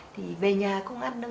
thì về nhà không ăn đâu